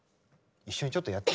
一緒にちょっとやって。